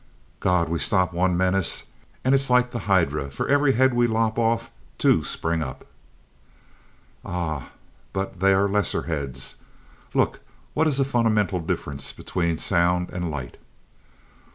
"God! We stop one menace and it is like the Hydra. For every head we lop off, two spring up." "Ah but they are lesser heads. Look, what is the fundamental difference between sound and light?"